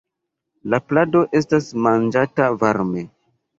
La plado estas manĝata varme.